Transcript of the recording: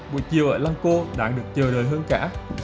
buổi chiều ở lăng cô đáng được chờ đợi hơn cả